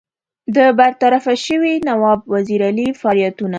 د برطرفه سوي نواب وزیر علي فعالیتونو.